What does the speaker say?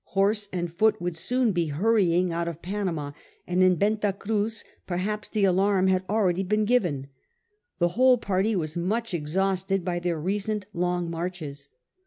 Horse and foot would soon be hurrying out of Panama, and in Venta Cruz perhaps the alarm had already been' given. The whole party were much exhausted by their recent long marches.